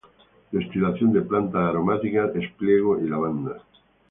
Destilación de plantas aromáticas, espliego y lavanda.